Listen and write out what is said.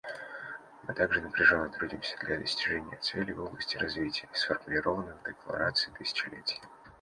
Мы также напряженно трудимся для достижения целей в области развития, сформулированных в Декларации тысячелетия.